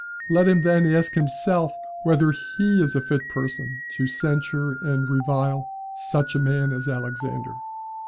Let him then ask himself whether he is a fit person to censure and revile such a man as Alexander.